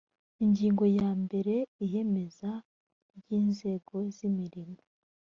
ingingo ya mbere iyemeza ry inzego z imirimo